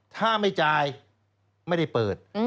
ถ้าไม่จ่ายไม่ได้เปิด